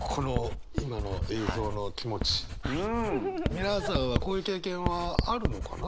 皆さんはこういう経験はあるのかな？